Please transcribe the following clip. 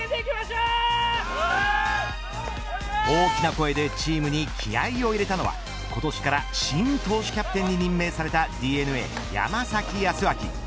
大きな声でチームに気合を入れたのは今年から新投手キャプテンに任命されたＤｅＮＡ山崎康晃。